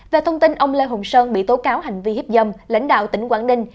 về thông tin ông lê hồng sơn bị tố cáo hành vi hiếp dâm lãnh đạo tỉnh quảng đình